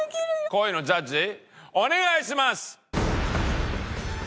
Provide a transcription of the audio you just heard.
恋のジャッジお願いします！